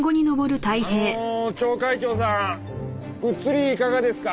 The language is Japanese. あの町会長さん映りいかがですか？